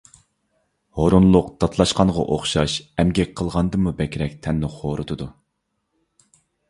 ھۇرۇنلۇق داتلاشقانغا ئوخشاش، ئەمگەك قىلغاندىنمۇ بەكرەك تەننى خورىتىدۇ.